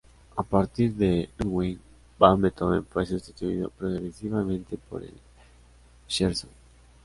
A partir de Ludwig van Beethoven fue sustituido progresivamente por el scherzo.